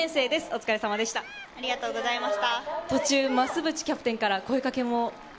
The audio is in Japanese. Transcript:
お疲れ様でした。